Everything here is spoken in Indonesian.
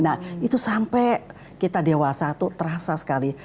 nah itu sampai kita dewasa itu terasa sekali